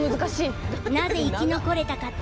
なぜ生き残れたかって？